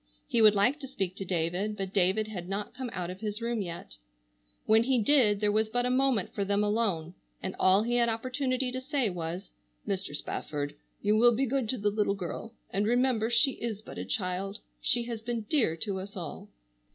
He would like to speak to David, but David had not come out of his room yet. When he did there was but a moment for them alone and all he had opportunity to say was: "Mr. Spafford, you will be good to the little girl, and remember she is but a child. She has been dear to us all."